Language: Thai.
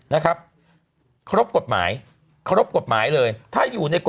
นะครับครบกฎหมายครบกฎหมายเลยถ้าอยู่ในกรณ์